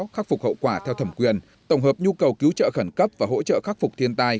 khắc phục hậu quả theo thẩm quyền tổng hợp nhu cầu cứu trợ khẩn cấp và hỗ trợ khắc phục thiên tai